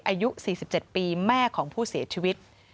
อายุ๔๗ปีแม่ของผู้เสียชีวิต